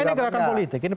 ini gerakan politik